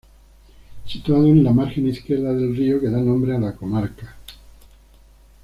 Situado en la margen izquierda del río que da nombre a la comarca.